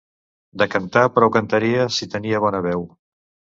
De cantar prou cantaria, si tenia bona veu.